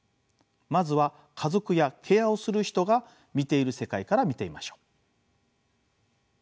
まずは家族やケアをする人が見ている世界から見てみましょう。